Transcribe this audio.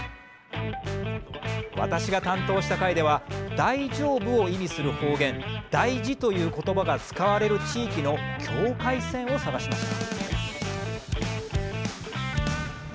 私が担当した回では大丈夫を意味する方言「だいじ」という言葉が使われる地域の境界線を探しました。